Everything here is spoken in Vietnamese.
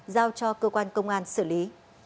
giao cho cơ quan công an xử lý